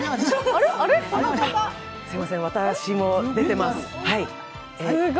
すみません、私も出てます。